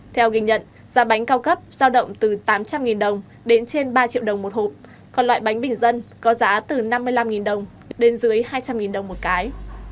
theo ghi nhận giá bánh cao cấp giao động từ tám trăm linh đồng đến trên ba triệu đồng một hộp còn loại bánh bình dân có giá từ năm mươi năm đồng đến dưới hai trăm linh đồng một cái